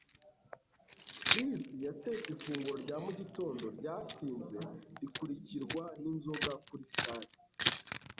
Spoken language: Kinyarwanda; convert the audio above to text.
Chris yatetse ifunguro rya mugitondo ryatinze rikurikirwa n'inzoga kuri Star.